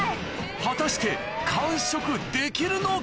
果たして完食できるのか？